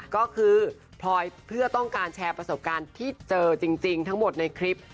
ก็คือพลอยเพื่อต้องการแชร์ประสบการณ์ที่เจอจริงทั้งหมดในคลิป